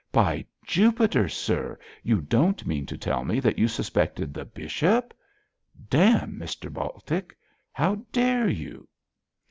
'By Jupiter! sir, you don't mean to tell me that you suspected the bishop? Damme, Mr Baltic, how dare you?'